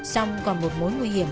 xong còn một mối nguy hiểm